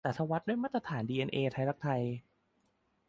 แต่ถ้าวัดด้วยมาตรฐานดีเอ็นเอไทยรักไทย